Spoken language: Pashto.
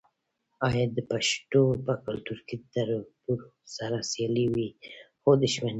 آیا د پښتنو په کلتور کې د تربور سره سیالي وي خو دښمني نه؟